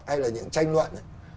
hay là những tranh luận